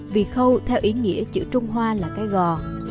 vì khâu theo ý nghĩa chữ trung hoa là cái gò